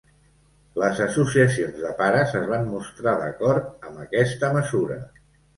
Les associacions de pares es van mostrar d'acord amb aquesta mesura.